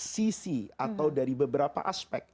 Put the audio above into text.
sisi atau dari beberapa aspek